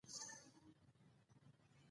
په هغه جنګ کې بریالی نه شو.